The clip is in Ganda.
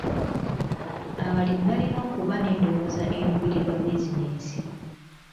Abalimi balina okuba n'endowooza eruubirira bizinensi.